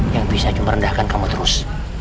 yang bisa merendahkan kamu terus